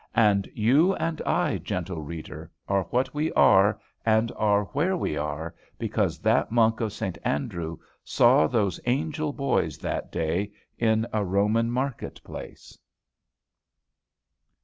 And you and I, gentle reader, are what we are and are where we are because that monk of St. Andrew saw those angel boys that day in a Roman market place.